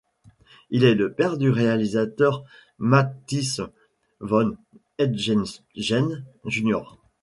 Il est le père du réalisateur Matthijs van Heijningen Jr..